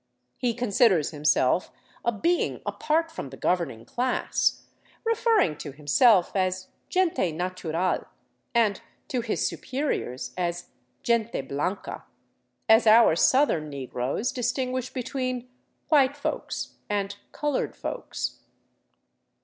He considers himself a being apart from the governing class, refer ring to himself as " gente natural " and to his superiors as " gente blanca," as our southern negroes distinguish between " white folks " and " colored folks."